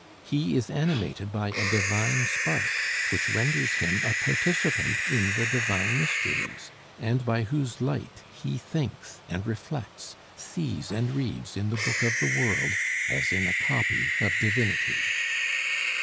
He is animated by a divine spark which renders him a participant in the divine mysteries; and by whose light he thinks and reflects, sees and reads in the book of the world as in a copy of divinity.